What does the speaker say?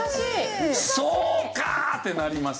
「そうか！」ってなります。